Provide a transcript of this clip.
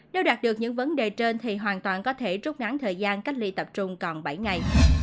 nếu đạt được những vấn đề trên thì hoàn toàn có thể trút ngắn thời gian cách ly tập trung còn bảy ngày